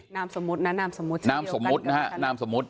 นามสมมุตินะนามสมมุติใช่ไหมนามสมมุตินะฮะนามสมมุติ